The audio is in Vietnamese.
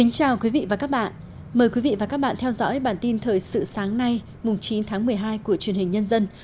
chào mừng quý vị đến với bản tin thời sự sáng nay chín tháng một mươi hai của truyền hình nhân dân